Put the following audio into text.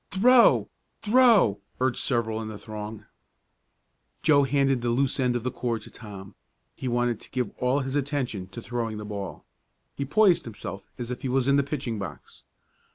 "Throw! Throw!" urged several in the throng. Joe handed the loose end of the cord to Tom. He wanted to give all his attention to throwing the ball. He poised himself as if he was in the pitching box.